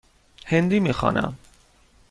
هندی می خوانم.